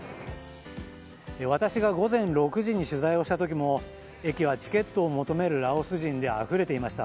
私が午前６時に取材した時も駅はチケットを求めるラオス人であふれていました。